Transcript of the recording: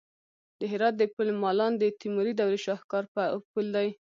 د هرات د پل مالان د تیموري دورې شاهکار پل دی